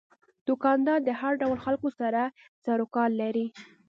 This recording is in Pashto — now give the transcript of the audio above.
دوکاندار د هر ډول خلکو سره سروکار لري.